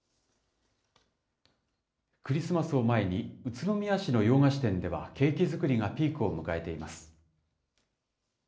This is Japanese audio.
クリスマスを前に、宇都宮市の洋菓子店では、ケーキ作りがピークを迎えています。